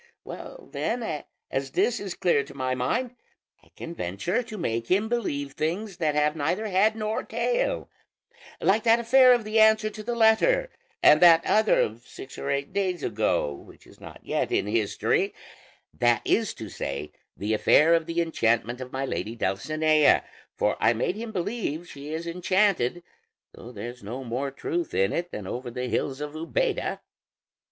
Well, then, as this is clear to my mind, I can venture to make him believe things that have neither head nor tail, like that affair of the answer to the letter, and that other of six or eight days ago which is not yet in history, that is to say, the affair of the enchantment of my lady Dulcinea; for I made him believe she is enchanted, though there's no more truth in it than over the hills of Úbeda."